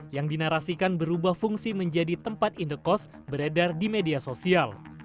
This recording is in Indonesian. yang dinarasikan berubah fungsi menjadi tempat indekos beredar di media sosial